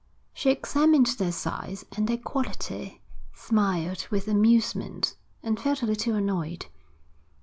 She examined their size and their quality, smiled with amusement, and felt a little annoyed.